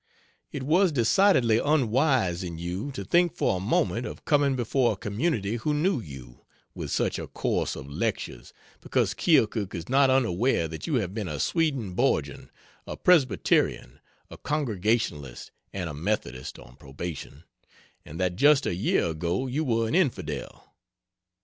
It was decidedly unwise in you to think for a moment of coming before a community who knew you, with such a course of lectures; because Keokuk is not unaware that you have been a Swedenborgian, a Presbyterian, a Congregationalist, and a Methodist (on probation), and that just a year ago you were an infidel.